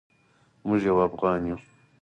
موږ یو افغان یو.